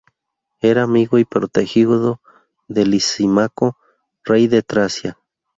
Era amigo y protegido de Lisímaco, rey de Tracia.